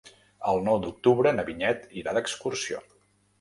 El nou d'octubre na Vinyet irà d'excursió.